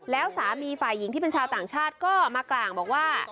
แล้วสามีฝ่ายหญิงที่เป็นชาวต่างชาติก็มากร่างบอกว่า